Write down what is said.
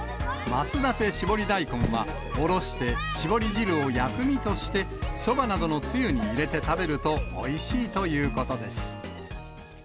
松館しぼり大根は、おろしてしぼり汁を薬味として、そばなどのつゆに入れて食べるとおいしいということです。